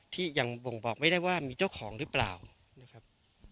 ที่ยังบ่งบอกไม่ได้ว่ามีเจ้าของหรือเปล่านะครับ